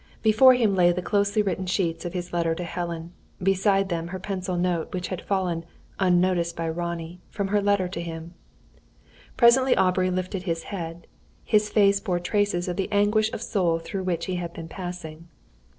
Before him lay the closely written sheets of his letter to Helen; beside them her pencil note which had fallen, unnoticed by Ronnie, from her letter to him. Presently Aubrey lifted his head. His face bore traces of the anguish of soul through which he had been passing.